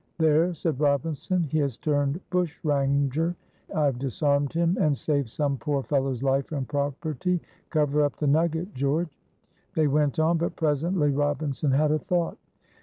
"There," said Robinson, "he has turned bushranger. I've disarmed him, and saved some poor fellow's life and property. Cover up the nugget, George." They went on, but presently Robinson had a thought.